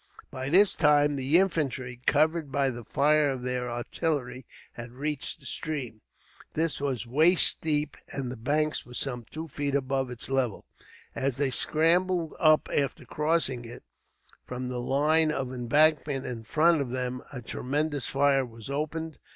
By this time the infantry, covered by the fire of their artillery, had reached the stream. This was waist deep, and the banks were some two feet above its level. As they scrambled up after crossing it, from the line of embankment in front of them a tremendous fire was opened.